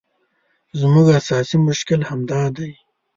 زموږ اساسي مشکل همدا دی.